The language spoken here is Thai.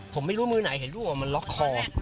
ผมไม่รู้มือไหนเห็นลูกมันล็อกคอ